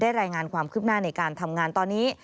รายงานความคืบหน้าในการทำงานตอนนี้